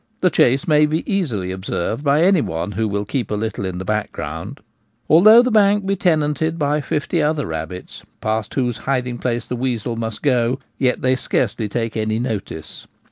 The chase may be easily observed by any one who will keep a little in the background. Although the bank be tenanted by fifty other rabbits, past whose hiding place the weasel must go, yet they scarcely take any notice.